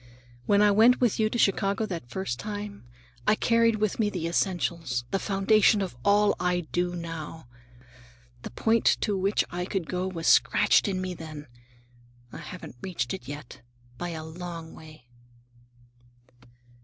When I went with you to Chicago that first time, I carried with me the essentials, the foundation of all I do now. The point to which I could go was scratched in me then. I haven't reached it yet, by a long way."